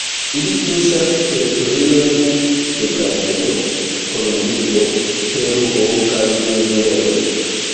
Ili tuŝas teritoriojn de Brazilo, Kolombio, Peruo kaj Venezuelo.